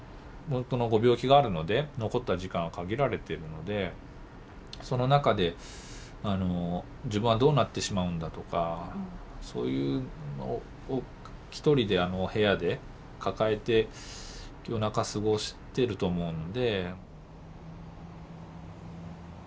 ご病気があるので残った時間は限られてるのでその中で自分はどうなってしまうんだとかそういうのをひとりで部屋で抱えて夜中過ごしてると思うので。